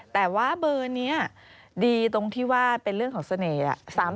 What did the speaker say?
แต่ว่าเบอร์นี้ดีตรงที่ว่าเป็นเรื่องของเสน่ห์